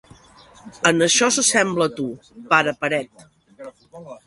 En això s'assembla a tu, pare paret.